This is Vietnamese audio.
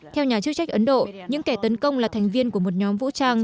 theo nhà chức trách ấn độ những kẻ tấn công là thành viên của một nhóm vũ trang